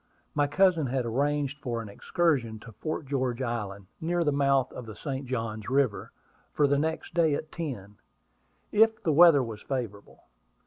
My cousin had arranged for an excursion to Fort George Island, near the mouth of the St. Johns River, for the next day at ten, if the weather was favorable.